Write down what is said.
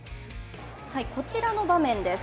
こちらの場面です。